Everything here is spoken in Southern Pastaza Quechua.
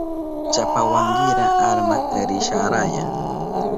Chapawankira armak risharaya.